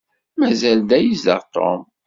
Mazal da i yezdeɣ Tom?